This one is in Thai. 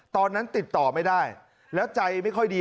ตอนนั้นติดต่อไม่ได้แล้วใจไม่ค่อยดี